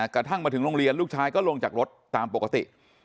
กระทั่งมาถึงโรงเรียนลูกชายก็ลงจากรถตามปกติ